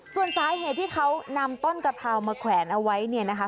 ส่วนสาเหตุที่เขานำต้นกะเพรามาแขวนเอาไว้เนี่ยนะคะ